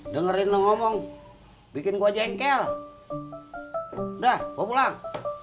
dengerin ngomong bikin gua jengkel udah pulang